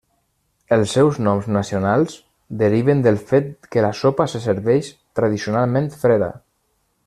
Els seus noms nacionals deriven del fet que la sopa se serveix tradicionalment freda.